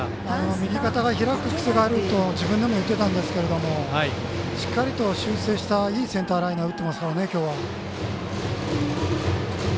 右肩が開く癖があると自分でも言ってたんですがしっかりと修正したいいセンターライナーを打っていますね。